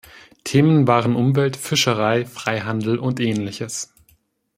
Themen waren Umwelt, Fischerei, Freihandel und Ähnliches.